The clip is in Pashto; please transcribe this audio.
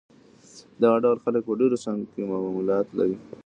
دغه ډول خلک په ډېرو څانګو کې معلومات لري.